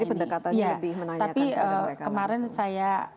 jadi pendekatannya lebih menayakan kepada mereka langsung